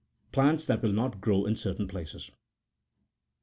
PLANTS THAT WILL NOT GEOW IN CERTAIN PLACES.